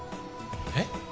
えっ？